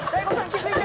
気付いて！